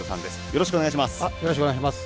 よろしくお願いします。